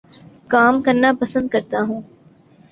کام کرنا پسند کرتا ہوں